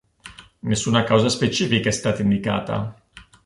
Nessuna causa specifica è stata indicata.